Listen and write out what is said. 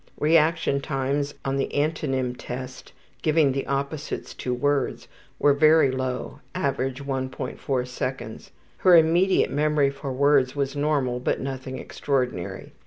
Reaction times on the antonym test, giving the opposites to words, were very low; average 1.4 seconds. Her immediate memory for words was normal, but nothing extraordinary.